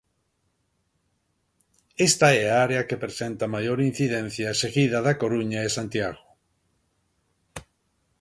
Esta é a área que presenta maior incidencia, seguida da Coruña e Santiago.